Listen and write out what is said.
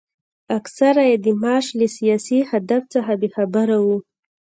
اکثره یې د مارش له سیاسي هدف څخه بې خبره وو.